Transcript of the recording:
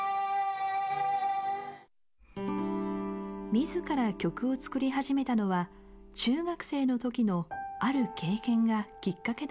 自ら曲を作り始めたのは中学生の時のある経験がきっかけだったといいます。